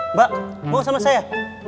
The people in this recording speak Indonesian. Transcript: mbak mau sama saya